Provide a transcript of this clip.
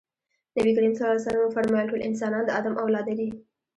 نبي کريم ص وفرمايل ټول انسانان د ادم اولاده دي.